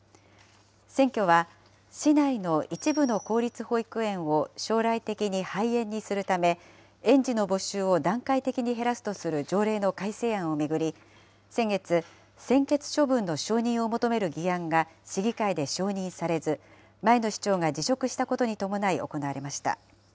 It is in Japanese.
選挙は市内の一部の公立保育園を将来的に廃園にするため、園児の募集を段階的に減らすとする条例の改正案を巡り、先月、専決処分の承認を求める議案が市議会で承認されず、前の市長が辞職したことに伴い、行われました。